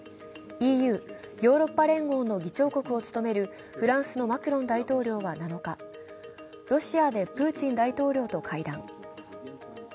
ＥＵ＝ヨーロッパ連合の議長国を務めるフランスのマクロン大統領は７日、ロシアでプーチン大統領と会談。